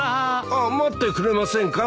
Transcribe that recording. あっ待ってくれませんか。